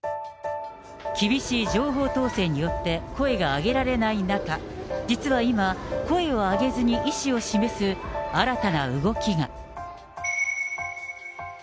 厳しい情報統制によって、声が上げられない中、実は今、声を上げずに意思を示す、新たな動きが。